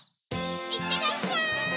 いってらっしゃい！